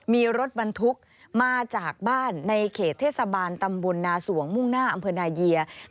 มีรถบรรทุกมาจากบ้านในเขตเทศบาลตำบลนาสวงมุ่งหน้าอำเภอนาเยีย